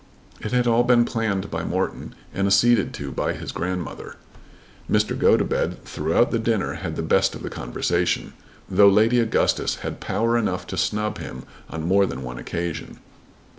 It had all been planned by Morton and acceded to by his grandmother. Mr. Gotobed throughout the dinner had the best of the conversation, though Lady Augustus had power enough to snub him on more than one occasion.